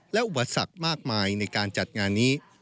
และอุปสรรคมากมายในการจัดงานนี้